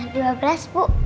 dua belas bu